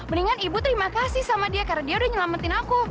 mendingan ibu terima kasih sama dia karena dia udah nyelamatin aku